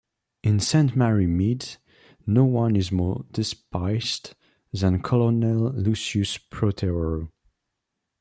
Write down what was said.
In Saint Mary Mead, no one is more despised than Colonel Lucius Protheroe.